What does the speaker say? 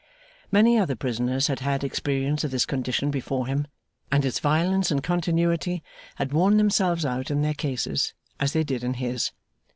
Many other prisoners had had experience of this condition before him, and its violence and continuity had worn themselves out in their cases, as they did in his.